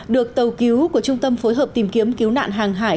được tàu cứu của trung tâm phối hợp tìm kiếm cứu nạn hàng hải